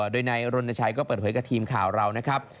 โดยนายรณชัยก็เปิดเผยกับทีมข่าวเรานะครับ